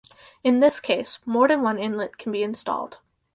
In this case, more than one inlet can be installed.